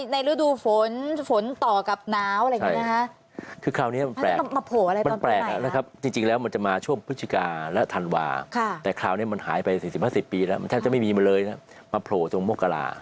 ในฤดูฝนฝนต่อกับน้ำอะไรอย่างนี้นะคะ